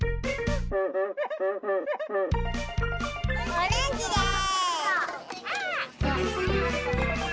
オレンジです！